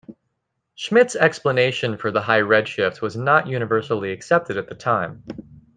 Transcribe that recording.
Schmidt's explanation for the high redshift was not universally accepted at the time.